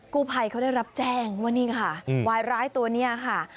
กู้ภัยเขาได้รับแจ้งว่านี่ค่ะวายร้ายตัวนี้ค่ะ